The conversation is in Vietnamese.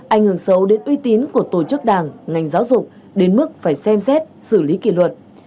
ảnh hưởng sâu đến uy tín của tổ chức đảng ngành giáo dục đến mức phải xem xét xử lý kỷ luật